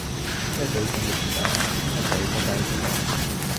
呢個係最正嘅時代，呢個係最仆街嘅時代，